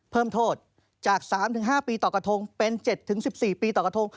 เพิ่มโทษจาก๓๕ปีต่อกระทงเป็น๗๑๔ปีต่อกระทง